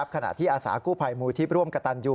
ขณะที่อาสากู้ภัยมูลที่ร่วมกระตันยู